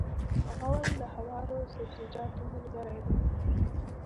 غول د هوارو سبزیجاتو ملګری دی.